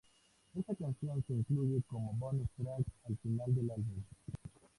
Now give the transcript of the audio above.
Esta canción se incluye como Bonus Track al final del álbum.